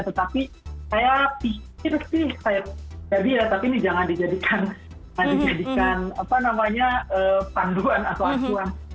tetapi saya pikir sih tapi ini jangan dijadikan panduan atau asuhan